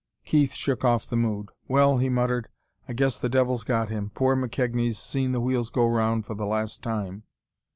Keith shook off the mood. "Well," he muttered, "I guess the devils got him. Poor McKegnie's seen the wheels go round for the last time....